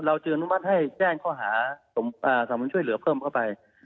จึงอนุมัติให้แจ้งข้อหาสำนวนช่วยเหลือเพิ่มเข้าไป